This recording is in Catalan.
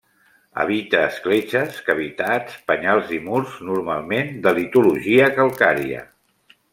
Habita escletxes, cavitats, penyals i murs, normalment de litologia calcària.